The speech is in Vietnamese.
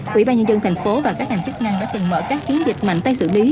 quỹ ba nhân dân thành phố và các ngành chức năng đã từng mở các chiến dịch mạnh tay xử lý